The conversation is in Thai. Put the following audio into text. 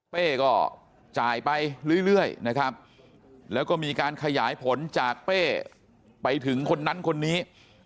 เป้ก็จ่ายไปเรื่อยนะครับแล้วก็มีการขยายผลจากเป้ไปถึงคนนั้นคนนี้